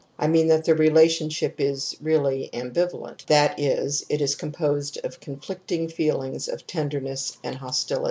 I mean that the relation is really ^ ambivalent ', that is, it is composed of conflicting feelings of tenderness and hostility.